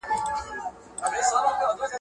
دا چټکه تله پر لار زوی یې کرار وو ..